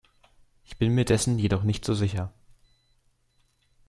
Ich bin mir dessen jedoch nicht so sicher.